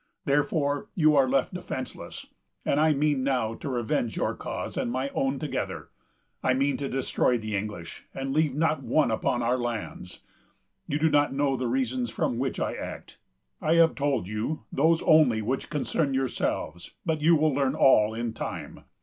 Therefore you are left defenceless; and I mean now to revenge your cause and my own together. I mean to destroy the English, and leave not one upon our lands. You do not know the reasons from which I act. I have told you those only which concern yourselves; but you will learn all in time.